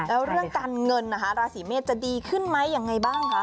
แล้วเรื่องการเงินนะคะราศีเมษจะดีขึ้นไหมยังไงบ้างคะ